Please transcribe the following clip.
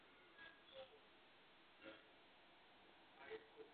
Řeka se nachází za polárním kruhem a zamrzá na šest měsíců v roce.